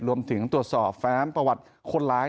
รวมถึงตรวจสอบแฟ้มประวัติคนร้าย